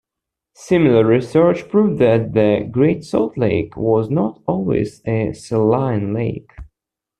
Similar research proved that the Great Salt Lake was not always a saline lake.